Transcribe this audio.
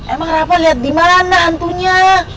emang rafa liat dimana hantunya